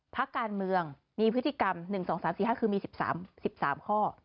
พักการเมืองมีพฤติกรรม๑๒๓๔๕คือมี๑๓ข้อ